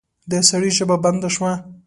د سړي ژبه بنده شوه.